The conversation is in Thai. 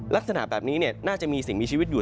ลักษณะแบบนี้น่าจะมีสิ่งมีชีวิตอยู่